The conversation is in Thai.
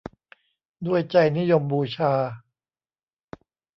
ด้วยใจนิยมบูชา